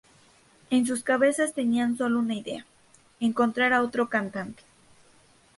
En sus cabezas tenían solo una idea: encontrar a otro cantante.